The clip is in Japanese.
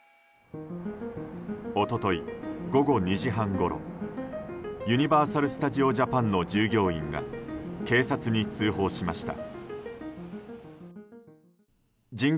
一昨日午後２時半ごろユニバーサル・スタジオ・ジャパンの従業員が警察に通報しました。